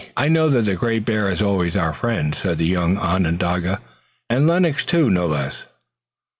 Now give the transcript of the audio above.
"I know that the Great Bear is always our friend," said the young Onondaga, "and Lennox too, no less."